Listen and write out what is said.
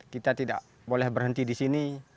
kita tidak boleh berhenti di sini